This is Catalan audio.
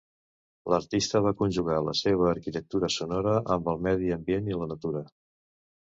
L'artista va conjugar la seva arquitectura sonora amb el medi ambient i la natura.